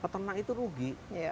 ketenang itu rugi